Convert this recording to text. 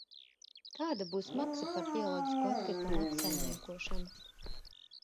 kāda būs maksa par bioloģisko atkritumu apsaimniekošanu?